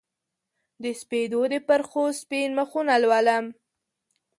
د سپیدو د پرخو سپین مخونه لولم